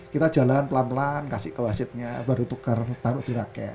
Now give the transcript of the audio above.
kita jalan pelan pelan kasih ke oasetnya baru tuker taruh di raket